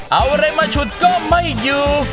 เอาอะไรมาฉุดก็ไม่อยู่